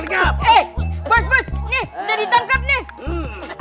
nih udah ditangkap nih